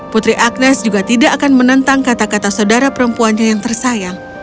putri agnes juga tidak akan menentang kata kata saudara perempuannya yang tersayang